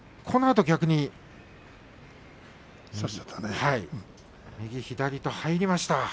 このあと逆に右、左と入りました。